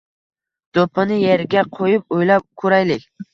Doʻppini yerga qoʻyib oʻylab koʻraylik.